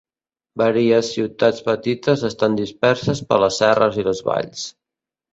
Varies ciutats petites estan disperses per les serres i les valls.